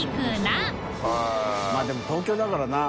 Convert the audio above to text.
泙でも東京だからな。